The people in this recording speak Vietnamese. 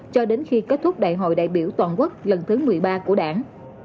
cho đến khi kết thúc đại hội đại biểu toàn quốc lần thứ một mươi ba của đảng